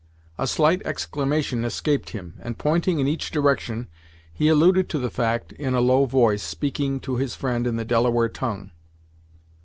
A slight exclamation escaped him, and pointing in each direction he alluded to the fact in a low voice, speaking to his friend in the Delaware tongue.